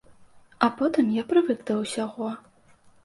А потым я прывык да ўсяго.